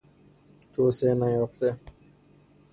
توسعه نیافته